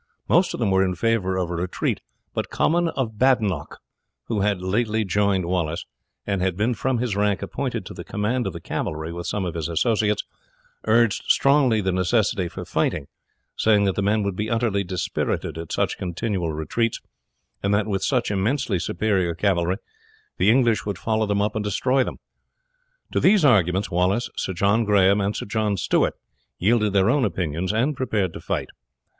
Most of them were in favour of a retreat; but Comyn of Badenoch, who had lately joined Wallace, and had been from his rank appointed to the command of the cavalry, with some of his associates, urged strongly the necessity for fighting, saying that the men would be utterly dispirited at such continual retreats, and that with such immensely superior cavalry the English would follow them up and destroy them. To these arguments Wallace, Sir John Grahame, and Sir John Stewart, yielded their own opinions, and prepared to fight.